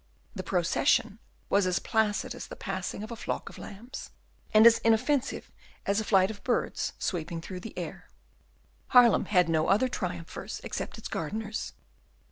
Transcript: The procession was as placid as the passing of a flock of lambs, and as inoffensive as a flight of birds sweeping through the air. Haarlem had no other triumphers, except its gardeners.